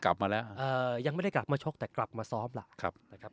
กลับมาแล้วยังไม่ได้กลับมาชกแต่กลับมาซ้อมล่ะครับนะครับ